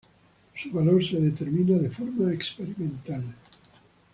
Su valor se determina de forma experimental.